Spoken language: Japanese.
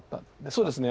そうですね。